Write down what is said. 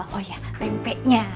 oh iya tempenya